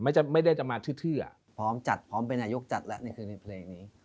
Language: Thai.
ไม่ได้จะมาเทืออะพร้อมจัดพร้อมเป็นอายุกจัดแล้วในคลิปเพลงนี้